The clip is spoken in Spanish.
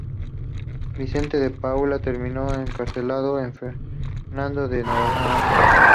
Vicente de Paula terminó encarcelado en Fernando de Noronha.